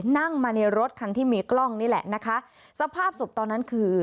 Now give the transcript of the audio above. นั่งมาในรถคันที่มีกล้องนี่แหละนะคะสภาพศพตอนนั้นคือ